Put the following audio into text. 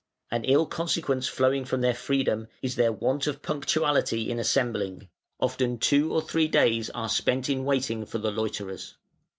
An ill consequence flowing from their freedom is their want of punctuality in assembling; often two or three days are spent in waiting for the loiterers.